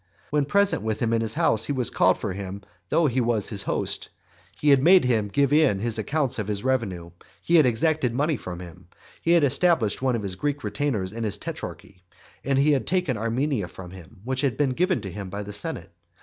When present with him in his house he had called for him though he was his host, he had made him give in his accounts of his revenue, he had exacted money from him; he had established one of his Greek retainers in his tetrarchy, and he had taken Armenia from him, which had been given to him by the senate.